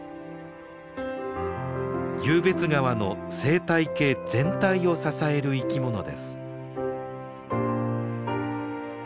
湧別川の生態系全体を支える生き物です。